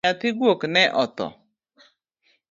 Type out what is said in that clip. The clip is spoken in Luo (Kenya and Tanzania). Nyathi guok ne otho